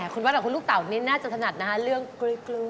คุณวัดกับคุณลูกเต่านี่น่าจะถนัดนะคะเรื่องกล้วย